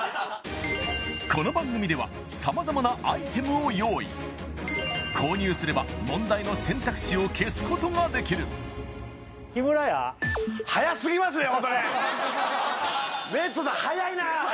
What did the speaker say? この番組では様々なアイテムを用意購入すれば問題の選択肢を消すことができるヒムラヤレッドさん早いな！